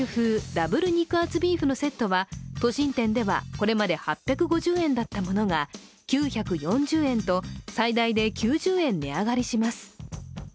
ダブル肉厚ビーフのセットは都心店ではこれまで８５０円だったものが９４０円と最大で９０円値上がりします。